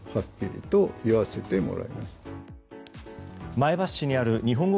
前橋市にある日本語